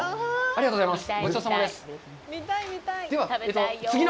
ありがとうございます。